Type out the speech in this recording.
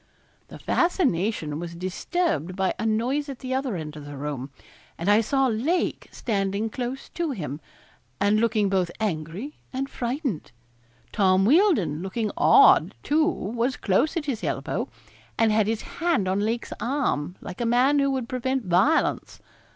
The fascination was disturbed by a noise at the other end of the room, and I saw Lake standing close to him, and looking both angry and frightened. Tom Wealdon looking odd, too, was close at his elbow, and had his hand on Lake's arm, like a man who would prevent violence.